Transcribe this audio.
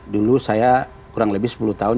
dulu saya kurang lebih sepuluh tahun